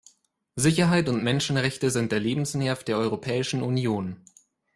Sicherheit und Menschenrechte sind der Lebensnerv der Europäischen Union.